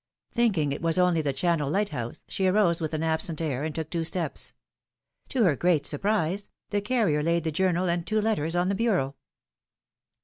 Thinking it was only the Channel Light House^ she rose with an absent air, and took two steps. To her great surprise, the carrier laid the journal and two letters on the bureau.